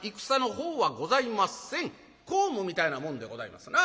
公務みたいなもんでございますな。